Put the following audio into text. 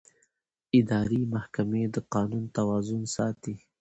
اداري محکمې د قانون توازن ساتي.